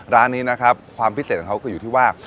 ร้านนี้นะครับความพิเศษของเขาก็อยู่ที่ว่า